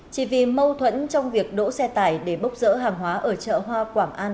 chỉ vì mâu thuẫn trong việc đỗ xe tải để bốc rỡ hàng hóa ở chợ hoa quảng an